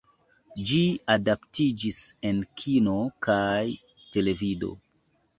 Ĝi adaptiĝis en kino kaj televido.